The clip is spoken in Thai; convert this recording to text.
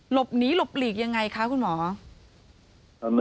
หลบหนีหลบหลีกยังไงคะคุณหมอ